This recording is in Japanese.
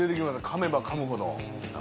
かめばかむほどあ